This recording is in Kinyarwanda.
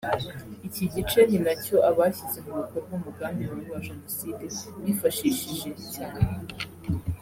Iki gice ni na cyo abashyize mu bikorwa umugambi mubi wa Jenoside bifashishije cyane